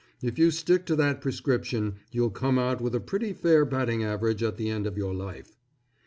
If you stick to that prescription you'll come out with a pretty fair batting average at the end of your life.